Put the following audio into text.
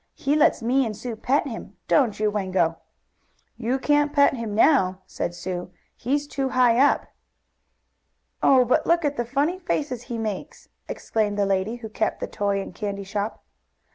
He lets me and Sue pet him; don't you, Wango?" "You can't pet him now," said Sue, "he's too high up." "Oh, but look at the funny faces he makes!" exclaimed the lady who kept the toy and candy shop.